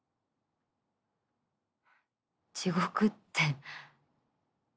地獄って。